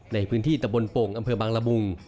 ในพื้นที่ตะบนโป่งอำเภอบางละมุง